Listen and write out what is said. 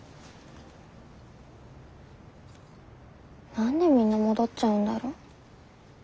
何でみんな戻っちゃうんだろ。